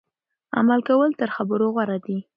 عمل کول تر خبرو غوره دي.